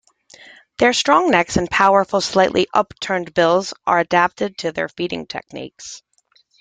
Their strong necks and powerful, slightly upturned bills are adapted to their feeding technique.